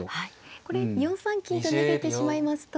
はいこれ４三金と逃げてしまいますと。